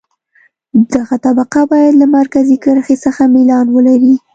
دغه طبقه باید له مرکزي کرښې څخه میلان ولري